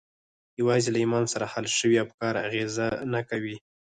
یوازې له ایمان سره حل شوي افکار اغېز نه کوي